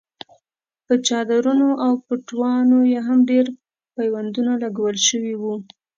په څادرونو او پټوانو یې هم ډېر پیوندونه لګول شوي وو.